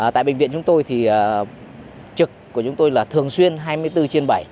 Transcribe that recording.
tại bệnh viện chúng tôi thì trực của chúng tôi là thường xuyên hai mươi bốn trên bảy